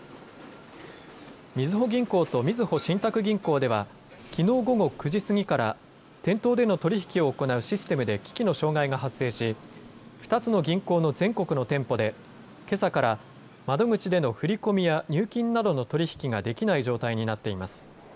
みずほ銀行とみずほ信託銀行ではきのう午後９時過ぎから店頭での取り引きを行うシステムで機器の障害が発生し、２つの銀行の全国の店舗でけさから窓口での振り込みや入金などの取り引きができない状態になっています。